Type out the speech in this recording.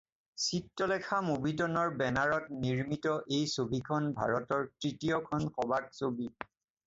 ‘চিত্ৰলেখা মুভিটোন’ৰ বেনাৰত নিৰ্মিত এই ছবিখন ভাৰতৰ তৃতীয়খন সবাক ছবি।